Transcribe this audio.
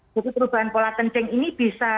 jadi perubahan pola kenceng ini bisa